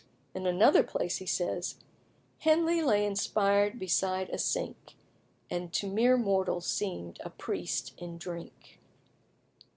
In another place he says "Henley lay inspired beside a sink, And to mere mortals seemed a priest in drink."